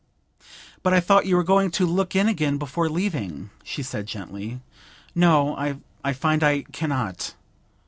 'But I thought you were going to look in again before leaving?' she said gently. 'No; I find I cannot.